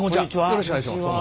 よろしくお願いします。